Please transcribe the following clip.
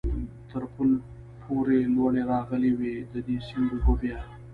تر پل پورې لوړې راغلې وې، د دې سیند اوبه بیا.